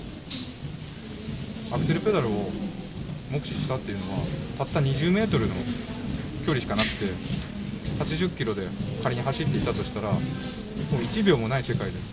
アクセルペダルを目視したというのは、たった２０メートルの距離しかなくて、８０キロで仮に走っていたとしたら、もう１秒もない世界です。